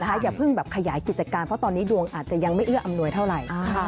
อย่าเพิ่งแบบขยายกิจการเพราะตอนนี้ดวงอาจจะยังไม่เอื้ออำนวยเท่าไหร่